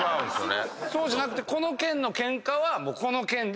そうじゃなくて。